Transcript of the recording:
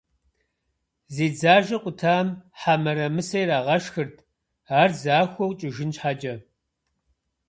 Зи дзажэ къутам хьэ мырамысэ ирагъэшхырт, ар захуэу кӏыжын щхьэкӏэ.